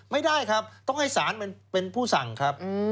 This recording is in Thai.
ไม่ได้ครับต้องให้สารเป็นผู้สั่งครับ